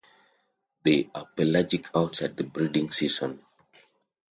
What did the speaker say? They are pelagic outside the breeding season.